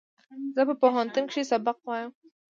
زه په پوهنتون کښې سبق وایم